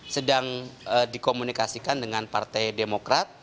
sedang dikomunikasikan dengan partai demokrat